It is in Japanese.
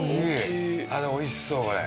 おいしそうこれ。